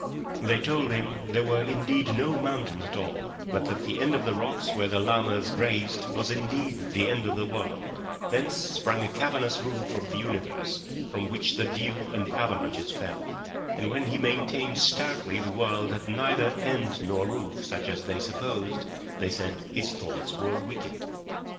They told him there were indeed no mountains at all, but that the end of the rocks where the llamas grazed was indeed the end of the world; thence sprang a cavernous roof of the universe, from which the dew and the avalanches fell; and when he maintained stoutly the world had neither end nor roof such as they supposed, they said his thoughts were wicked.